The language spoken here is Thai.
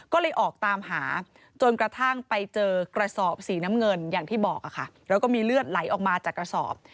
ก็เลยออกตามหาจนกระทั่งไปเจอกระสอบสีน้ำเงินอย่างที่บอกค่ะแล้วก็มีเลือดไหลออกมาจากกระสอบ